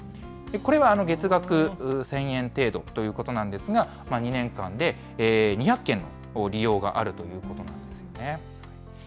これは月額１０００円程度ということなんですが、２年間で２００件の利用があるということなんですよね。